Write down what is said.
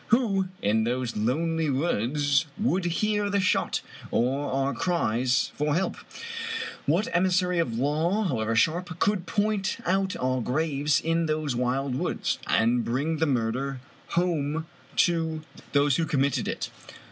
Who, in those lonely woods, would hear the shot or our cries for help? What emissary of the law, however sharp, could point out our graves in those wild woods, or bring the murder home to those who committed it?